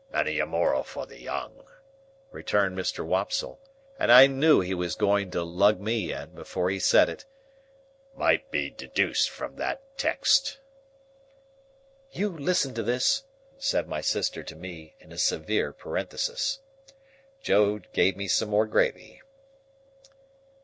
Many a moral for the young," returned Mr. Wopsle,—and I knew he was going to lug me in, before he said it; "might be deduced from that text." ("You listen to this," said my sister to me, in a severe parenthesis.) Joe gave me some more gravy.